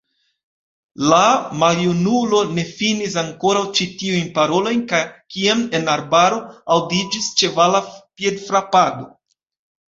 La maljunulo ne finis ankoraŭ ĉi tiujn parolojn, kiam en arbaro aŭdiĝis ĉevala piedfrapado.